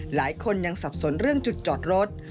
หลายคนยังสับสนเรื่องจุดจอดรถ